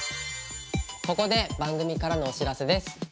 ここで番組からのお知らせです。